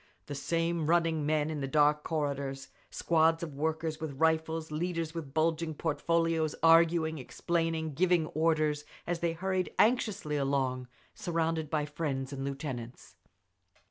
The same running men in the dark corridors, squads of workers with rifles, leaders with bulging portfolios arguing, explaining, giving orders as they hurried anxiously along, surrounded by friends and lieutenants.